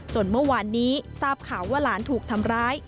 เมื่อวานนี้ทราบข่าวว่าหลานถูกทำร้าย